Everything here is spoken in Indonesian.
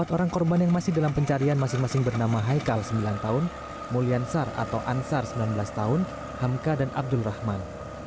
empat orang korban yang masih dalam pencarian masing masing bernama haikal sembilan tahun mulyansar atau ansar sembilan belas tahun hamka dan abdul rahman